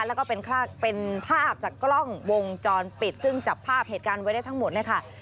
แล้วก็เป็นภาพจากกล้องวงจรปิดซึ่งจับภาพเหตุการณ์ไว้ได้ทั้งหมดเนี่ยค่ะ